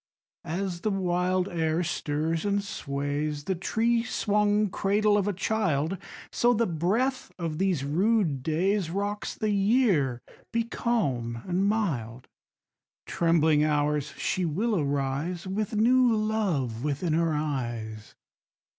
3. As the wild air stirs and sways The tree swung cradle of a child, So the breath of these rude days _15 Rocks the Year: be calm and mild, Trembling Hours, she will arise With new love within her eyes.